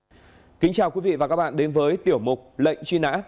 xin kính chào quý vị và các bạn đến với tiểu mục lệnh truy nã